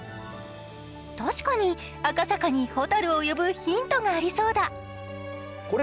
確かに赤坂に蛍を呼ぶヒントがありそうだ。